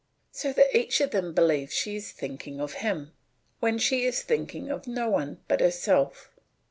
So that each of them believes she is thinking of him, when she is thinking of no one but herself.